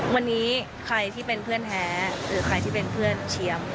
วันนี้ใครที่เป็นเพื่อนแท้หรือใครที่เป็นเพื่อนเชียม